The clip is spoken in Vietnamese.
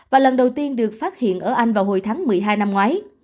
và lần đầu tiên được phát hiện ở anh vào hồi tháng một mươi hai năm ngoái